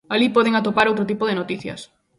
Alí poden atopar outro tipo de noticias.